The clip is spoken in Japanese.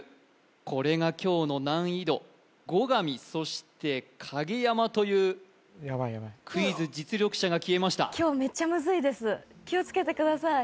これが今日の難易度後上そして影山というクイズ実力者が消えました気をつけてください・